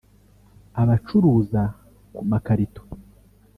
abacuruza ku makarito